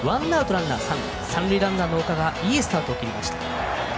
三塁ランナーの岡がいいスタートを切りました。